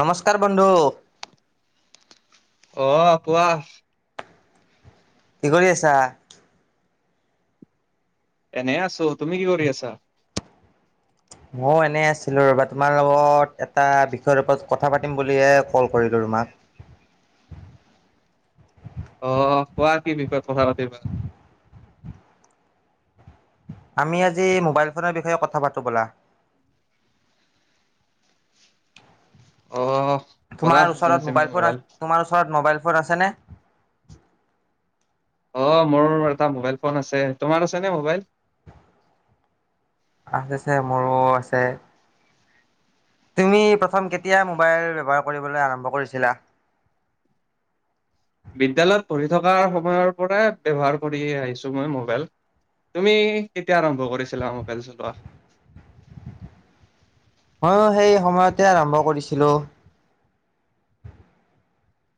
নমস্কাৰ বন্ধু। আহ কোৱা। কি কৰি আছা? এনে আছো তুমি কি কৰি আছা? ময় এনে আছিলো ৰবা তোমাৰ লগত এটা বিষয়ৰ ওপৰত কথা পাতিম বুলিহে কল কৰিলো। তোমাক আহ কোৱা কি বিষয় কথা পাতিবা? আমি আজি মোবাইল ফোনৰ বিষয়ে কথা পাতো ব'লা। অ'। তোমাৰ ওচৰত মোবাইল ফোন, তোমাৰ ওচৰত মোবাইল ফোন আছেনে? অ' মোৰ এটা মোবাইল ফোন আছে তোমাৰ আছে নে মোবাইল? আছে আছে মোৰো আছে। তুমি প্ৰথম কেতিয়া মোবাইল ব্যৱহাৰ কৰিবলৈ আৰম্ভ কৰিছিলা? বিদ্যয়ালয়ত পঢ়ি থকাৰ সময়ৰ পৰাই ব্য্য়ৱহাৰ কৰি আহিছো মই মোবাইল। তুমি কেতিয়া আৰম্ভ কৰিছিলা মোবাইল চলোৱা? ময়ো সেই সময়তে আৰম্ভ কৰিছিলোঁ।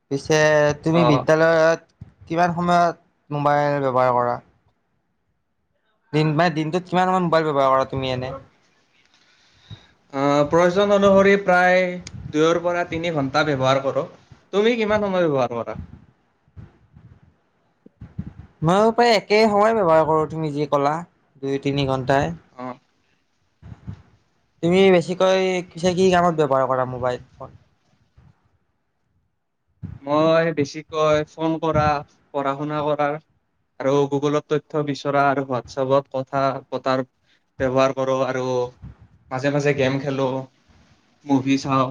পিছে তুমি অহ বিদ্য়ালয়ত কিমান সময়ত, মোবাইল ব্যৱহাৰ কৰা? দিন মানে দিনটোত কিমানান মোবাইল ব্যৱহাৰ কৰা তুমি এনে? আহ প্ৰয়োজন অনুসৰি প্ৰায় দুয়ৰ পৰা তিনি ঘন্টা ব্য্য়ৱহাৰ কৰো। তুমি কিমান সময়ত ব্যৱহাৰ কৰা? [inaudible] ময়ো প্ৰায় একে সময় ব্যৱহাৰ কৰো তুমি যি কলা, দুই তিনি ঘণ্টা তাই? অহ তুমি বেছিকৈ কছে কি কামত ব্যৱহাৰ কৰা মোবাইল ফোন? মই বেছিকৈ ফোন কৰা পঢ়া শুনা কৰাৰ আৰু গুগলত তথ্ বিচৰা আৰু হোৱাটছপত কথা পতাৰ ব্য্ৱহাৰ কৰোঁ আৰু মাজে মাজে গেম খেলো। মভি চাও।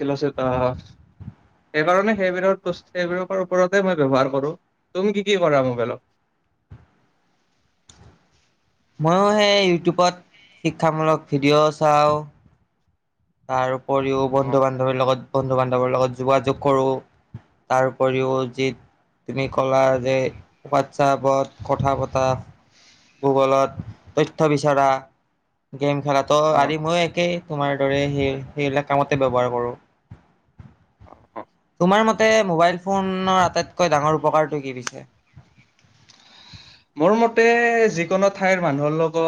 কিল অ' সেইকাৰণে সেইবোৰৰ ব সেইবিলৰ ওপৰতে মই ব্য্ৱহাৰ কৰো। তুমি কি কি কৰা মবেল? [inaudible] ময়ো সেই ইউটিউবত শিক্ষামূলক ভিডিঅ' চাওঁ। তাৰ উপৰিও অ বন্ধু বান্ধৱীৰ লগত বন্ধু বান্ধৱৰ লগত যোগাযোগ কৰোঁ। তাৰ উপৰিও যি তুমি কলা যে হোৱাটছআপত কথা পতা গুগলত তথ্য বিচৰা। গেম খেলাো অ আদি ময়ো একেই তোমাৰ দৰে সেই সেইবিলাক কামতে ব্যৱহাৰ কৰোঁ। [unintelligible] তোমাৰ মতে মোবাইল ফোনৰ আটাইতকৈ ডাঙৰ উপকাৰটো কি পিছে? মোৰ মতে যিকোনো ঠাইৰ মানুহৰ লগত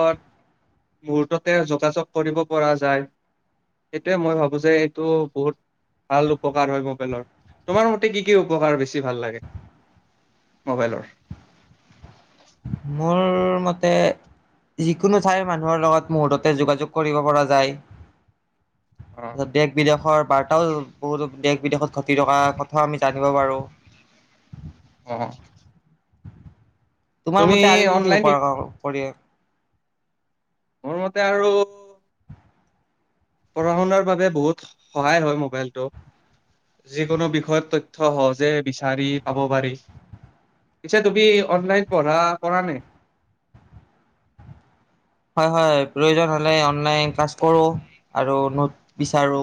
মুহুৰ্ততে যোগাযোগ কৰিব পৰা যায়। সেইটোয়ে মই ভাবো যে এইটো বহুত ভাল উপকাৰ হয় মোবাইলৰ, তোমাৰ মতে কি কি উপকাৰ বেছি ভাল লাগে? মোবাইলৰ? মোৰ মতে যিকোনো ঠাইৰ মানুহৰ লগত মুহূুৰৰ্ততে যোগাযোগ কৰিব পৰা যায়। অ তাৰত দেশ বিদেশৰ বাৰ্তাও বহুত দেশ বিদেশত ঘটি থকা কথাও আমি জানিব পাৰোঁ। অ'। তোমাৰ তুমি মতে আৰু কি কি অনলাইন উপ শিক কৰি মোৰ মতে আৰু পঢ়া শুনাৰ বাবে বহুত সহায় হয় মোবাইলটো। যিকোনো বিষয়ত তথ্য সহজে বিচাৰি পাব পাৰি। পিছে তুমি অনলাইন পঢ়া কৰা নে? [inaudible] হয় হয় প্ৰয়োজন হলে অনলাইন ক্লাছ কৰো আৰু নোট বিচাৰো।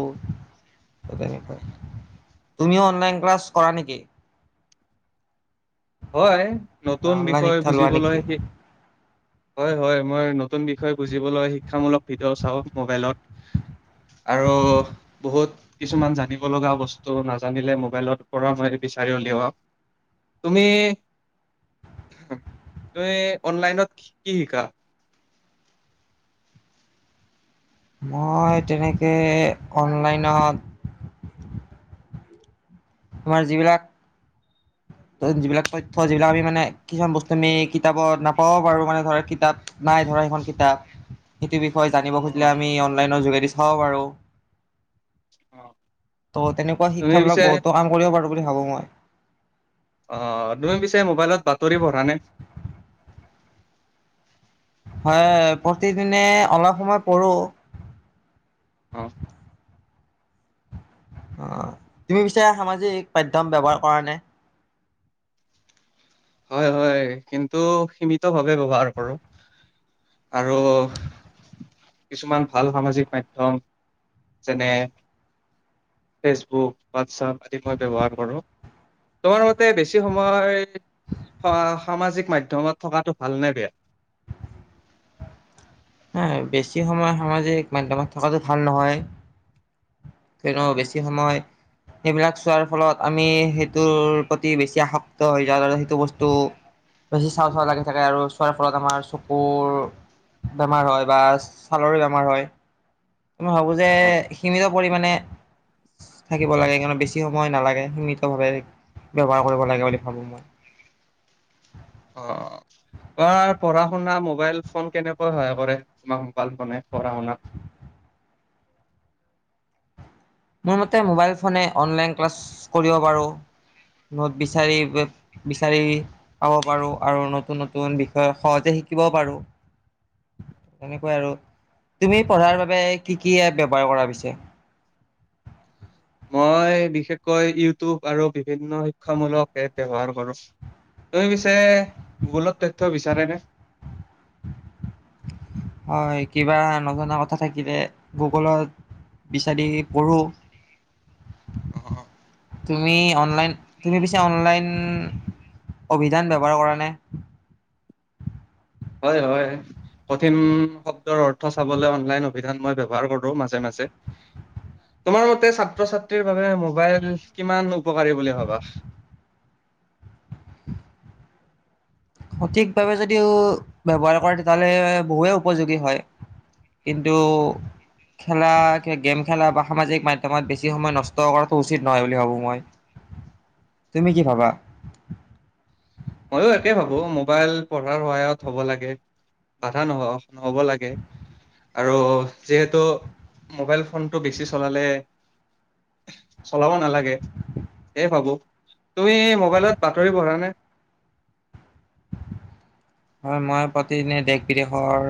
তুমিও অনলাইন ক্লাছ কৰা নেকি? হয় বা নতুন অনলাইন বিষয় শিক্ষা লোৱা বুজিবলৈ নেকি? সিক হয় হয় মই নতুন বিষয় বুজিবলৈ শিক্ষামূলক ভিডিঅ' চাওঁ মোবাইলত। আৰু বহুত কিছুমান জানিব লগা বস্তু নাজানিলে মোবাইলৰ পৰা মই [unintelligible] [inaudible] তুমি, তুমি অনলাইনত কি শিকা? মই, তেনেকে অনলাইনত আমাৰ যিবিলাক যিবিলাক তথ্য যিবিলাক আমি মানে কিছুমান বস্তু আমি কিতাপত নাপাও পাৰো মানে ধৰ কিতাপ নাই ধৰ খন কিতাপ সেইটো বিষয়ে জানিব অ, খুজিলে আমি অনলাইনৰ যোগেদি চাব পাৰোঁ। ত' তেনেকুৱা তুমি শিক্ষাবিলাক পিছে বহুতো কাম কৰিব পাৰো বুলি ভাবো মই। অ তুমি পিছে মোবাইলত বাতৰি পঢ়া নে? হয় প্ৰতিদিনে অলপ সময় কৰো। আহ। অ' তুমি পিচাৰা সামাজিক মাধ্যয়ম ব্য্ৱহাৰ কৰা নে? হয় হয় কিন্তু সীমিত ভাৱে ব্য্ৱহাৰ কৰো। আৰু কিছুমান ভাল সামাজিক মাধ্য়ম যেনে, ফেচবুক হোৱাটছআপ আদি মই ব্যৱহাৰ কৰোঁ। তোমাৰ মতে বেছি সময় সামাজিক মাধ্্যমত থকাটো ভাল নে বেয়া? হ বেছি সময় সামাজিক মাধ্যমত থকাতটো ভাল নহয়। কো বেছি সময় সেইবিলাক চোৱাৰ ফলত আমি সেইটোৰ প্ৰতি বেছি আসক্তক্ত হৈ যাওঁ আৰু সেইটো বস্তু বেছি চাউ চাউ লাগি থাকে আৰু চোৱাৰ ফলত আমাৰ চকুৰ বেমাৰ হয় বা ছালৰ বেমাৰ হয় ম মই ভাবো যে অ', সীমিত পৰিমানে, থাকিব লাগে বেছি সময় নালাগে সীমিত ভাৱে। ব্য্ৱহাৰ কৰিব লাগে বুলি ভাবো মই। অ'। তমাৰ পঢ়া শুনা মোবাইল ফোন কেনেকৈ সহায় কৰে তোমাৰ মোবাইল ফোনে পঢ়া শুনা? [inaudible] মোৰ মতে মোবাইল ফোনে অনলাইন ক্লাছ কৰিব পাৰোঁ। নোট বিচাৰি বিচাৰি পাব পাৰো আৰু নতুন নতুন বিষয় সহজে শিকিব পাৰো, তেনেকৈ আৰু তুমি পঢ়াৰ বাবে কি কি এপ ব্যৱহাৰ কৰা প হৈছে? মই বিশেষকৈ ইউটিউব আৰু বিভিন্ন শিক্ষামূলক এপ ব্যৱহাৰ কৰোঁ। তই পিছে ভোুলত তথ্য বিচাৰেনে? হয় কিবা নজনা কথা থাকিলে গুগলত বিচাৰি পঢ়োঁ। অ', তুমি অনলাইন, তুমি পিছে অনলাইন অভিধান ব্যৱহাৰ কৰা নে? হয় হয় কঠিন শব্দৰ অৰ্থ চাবলৈ অনলাইন অভিধান মই ব্যৱহাৰ কৰো মাজে মাজে। তোমাৰ মতে ছাত্ৰ ছাত্ৰীৰ বাবে মোবাইল কিমান উপকাৰী বুলি ভাবা? সঠিকভাৱে যদিও ব্য্ৱহাৰ কৰে তেতিয়াহ'লে বহুে উপযোগী হয়। কিন্তু খেলা গেম খেলা বা সামাজিক মাধ্য়মত বেছি সময় নষ্ট কৰাটো উচিত নহয় বুলি ভাবো মই। তুমি কি ভাবা? ময়ো একেই ভাবো মোবাইল পঢ়াৰ সহায়ত হ'ব লাগে। বাধা নহ নহ'ব লাগে। আৰু যিহেতু মোবাইল ফোনটো বেছি চলালে চলাব নালাগে। এইয়ে ভাবো, তুমি মোবাইলত বাতৰি পঢ়া নে? হয় মই প্ৰতিদিনে দেশ বিদেশৰ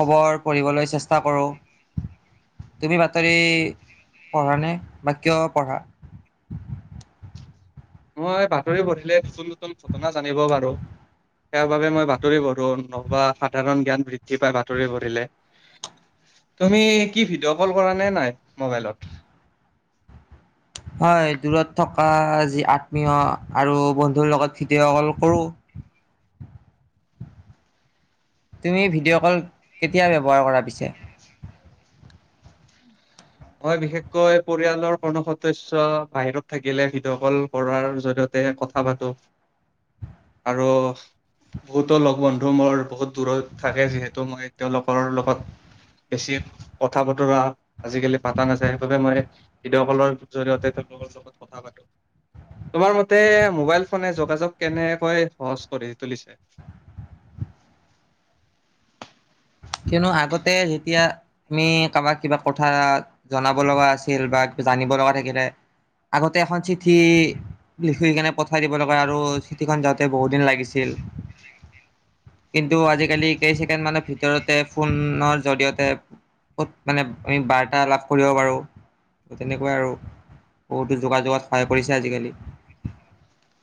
খবৰ পঢ়িবলৈ চেষ্টা কৰোঁ। তুমি বাতৰি পঢ়া নে বা কিয় পঢ়া? [inaudible] মই বাতৰি পঢ়িলে নতুন নতুন ঘটনা জানিব পাৰো। সেই বাবে মই বাতৰি পঢ়ো নবা সাধাৰণ জ্ঞান বৃদ্ধি পাই বাতৰি পঢ়িলে। তুমি কি ভিডিঅ' কল কৰা নে নাই মোবাইলত? হয় দূৰত থকা যি আত্মীয় আৰু বন্ধুৰ লগত ভিডিঅ' কল কৰোঁ। [inaudible] তুমি ভিডিঅ' কল কেতিয়া ব্যৱহাৰ কৰা পিছে? হয় বিশেষকৈ পৰিয়ালৰ কোনো সদস্যয় বাহিৰত থাকিলে ভিডিঅ' কল কৰাৰ জৰিয়তে কথা পাতো। [inaudible] আৰু বহুতো লগ বন্ধু মোৰ, বহুত দূৰত থাকে যিহেতু মই এতিয়াও তেওঁলোকৰ লগত বেছি কথা বতৰা আজিকালি পাতা নাযায় সেইবাবে মই ভিডেঅ' কলৰ জৰিয়তে তেওঁলোকৰ লগত কথা পাতো। তোমাৰ মতে মোবাইল ফোনে যোগাযোগ কেনেকৈ সহজ কৰি তুলিছে? [inaudible] কিয়নো আগতে যেতিয়া তুমি কাবাক কিবা কথা জনাব লগা আছিল বা আানিব লগা থাকিলে আগতে এখন চিঠি লিখি কেনে পঠাই দিব লগা আৰু চিঠিখন যাওঁতে বহুত দিন লাগিছিল। কিন্তু আজিকালি কেইছেকেণ্ড মানৰ ভিতৰত তে ফোনৰ জৰিয়তে কত মানে আমি বাৰ্তা লাভ কৰিব পাৰো। তেনেকুৱাই আৰু বহুতো যোগাযোগত সহায় কৰিছে আজিকালি।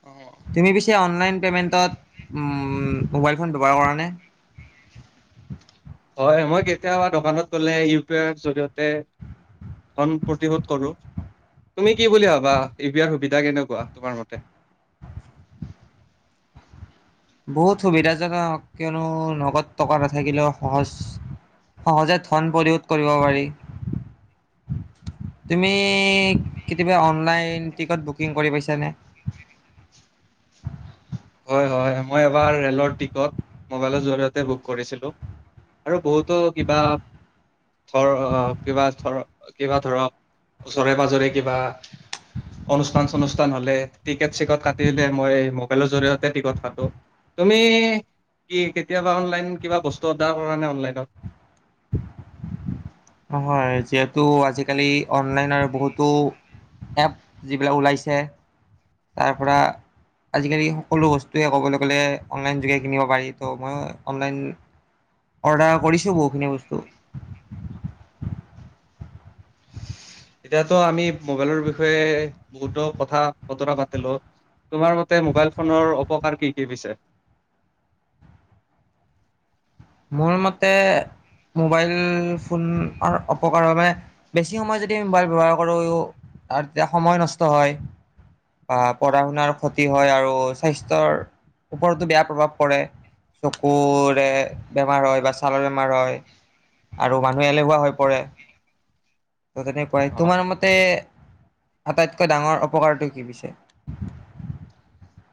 অ, তুমি পিছে অ অনলাইন পে'মেণ্টত মোবাইল ফোন ব্যৱহাৰ কৰা নে? হয় মই কেতিয়াবা দোকানত গ'লে ইউ পি আইৰ জৰিয়তে ধন প্ৰতিশোধ কৰো। তুমি কি বুলি ভাবা ইউ পি আইৰ সুবিধা কেনেকুৱা তোমাৰ মতে? [inaudible] বহুত সুবিধাজনক কিয়নো নগদ টকা নাথাকিলেও সহজ সহজে ধন পৰিশোধ কৰিব পাৰি। তুমি কেতিয়াবা অনলাইন টিকট বুকিং কৰি পাইছানে? [inaudible] হয় হয় মই এবাৰ ৰেলৰ টিকত মবাইলৰ জৰিয়তে বুক কৰিছিলো। আৰু বহুতো কিবা ধৰ আহ, কিবা ধৰ, কিবা ধৰক ওচৰে পাজৰে কিবা অনুষ্ঠান চনুষ্ঠা হলে টিকট চিকট কাটিলে মই মবাইলত জৰিয়তে কথাটো তুমি কি কেতিয়াবা অনলাইন কিবা বস্তু অৰ্ডাৰ কৰা নে অনলাইনত? নহয় যিহেতু আজিকালি অনলাইন আৰু বহুতো এপ যিবিলাক ওলাইছে, তাৰ পৰা আজিকালি সকলো বস্তুৱে ক'বলৈ গ'লে অনলাইন যোগে কিনিব পাৰি ত' মিয়ো অনলাইন অৰ্ডাৰ কৰিছো বহুখিনি বস্তু। এতিয়াতো আমি মোবাইলৰ বিষয়ে বহুতো কথা বতৰা পাতিলো। তোমাৰ মতে মোবাইল ফোনৰ অপকাৰ কি কি পিছে? মোৰ মতে মোবাইল ফোনৰ অপকাৰৰ মানে বেছি সময় যদি মোবাইল ব্যৱহাৰ কৰো আৰু তেতিয়া সময় নষ্ট হয়। বা পঢ়া শুনাৰ ক্ষতি হয় আৰু স্বাস্থ্যৰ ওপৰতো বেয়া প্ৰভাৱ পৰে। চুকুৰৰে বেমাৰ হয় বা ছালৰ বেমাৰ হয় আৰু মানুহে এলেহুৱা হৈ পৰে। ত তেনেকুৱাই অ তোমাৰ মতে আটাইতকৈ ডাঙৰ অপকাৰটো কি পিছে?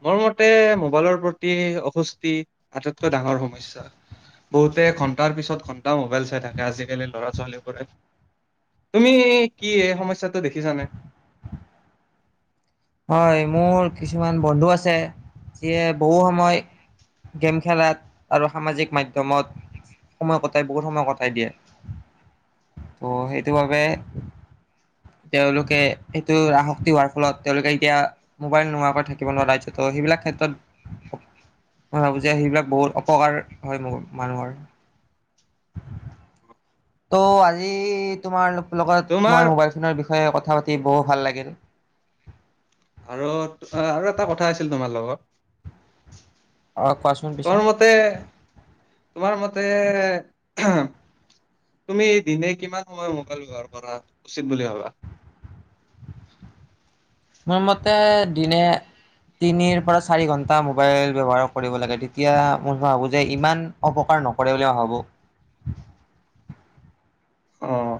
মোৰ মতে মোবাইলৰ প্ৰতি অসস্তি আটাইতকৈ ডাঙৰ সমস্যা। বহুতে ঘন্টাৰ পিছত ঘন্টা মোবাইল চাই থাকে আজিকালি ল'ৰা তুমি কি এই সমস্্যাতটো দেখিছানে? [inaudible] হয় মোৰ কিছুমান বন্ধু আছে যিয়ে বহু সময় গেম খেলাত আৰু সামাজিক মাধ্যমত সময় কটাই বহুত সময় কটাই দিয়ে। ত' সেইটো বাবে, তেওঁলোকে সেইটো আসক্তি হোৱাৰ ফলত তেওঁলোকে এতিয়া মোবাইল নোোৱাৰ পৰা থাকিব নোৱাৰা ত' সেইবিলাক ক্ষেত্ৰত মই ভাবো যে সেইবিলাক বহুত অপকাৰ হয় মোৰ মানুহৰ। ত' আজি তোমাৰ লগত তোমাৰ মই মোবাইল ফোনৰ বিষ কথা পাতি বহু ভাল লাগিল। আৰু আৰু এটা কথা আছিল তোমাৰ লগত। অ' কোৱাচোন পিছে। তোমাৰ মতে তোমাৰ মতে তুমি দিনে কিমান সময় মোবাইল ব্য্ৱহাৰ কৰা উচিত বুলি ভাবা? মোৰ মতে দিনে তিনিৰ পৰা চাৰি ঘন্টা মোবাইল ব্য্ৱহাৰ কৰিব লাগে তেতিয়া মই ভাবো যে ইমান অপকাৰ নকৰে ভাব। অ'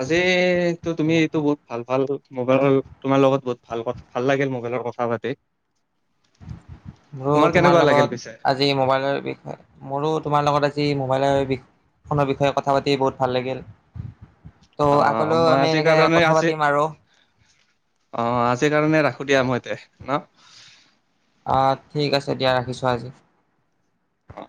আজিটো তুমি এইটো তেনেকৈ বহুত ভাল ভাল মোবাইলৰ তোমাৰ লগত বহুত ভাল ভাল লাগিল মোবাইলৰ কথা পাতি। মোৰো তোমাৰ কেনেকুৱা লাগিল লগত পিছে? আজি মোবাইলৰ বিষয়ে মোৰো তোমাৰ লগত আজি মোবাইলাই বিখনৰ বিষয়ে কথা পাতি বহুত ভাল লাগিল। ত' অ' আগলৈও মই আমি আছে এনেকে কাৰণে কথা আছে পাতিম আৰু অ' আজিৰ কাৰণে ৰাখো দিয়া মই এতে ন? অ' ঠিক আছে দিয়া ৰাখিছোঁ আজি। অ'।